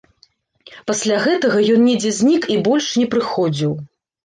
Пасля гэтага ён недзе знік і больш не прыходзіў.